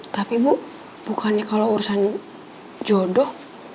tapi bu bukannya kalau urusan jodoh